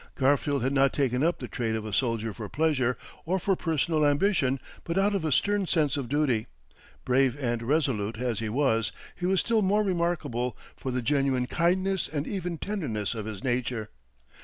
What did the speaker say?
Garfield had not taken up the trade of a soldier for pleasure or for personal ambition, but out of a stern sense of duty. Brave and resolute as he was, he was still more remarkable for the genuine kindness and even tenderness of his nature.